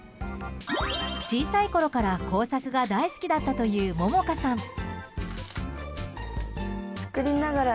小さいころから工作が大好きだったという杏果さん。